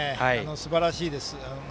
すばらしいです。